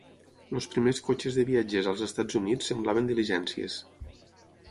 Els primers cotxes de viatgers als Estats Units semblaven diligències.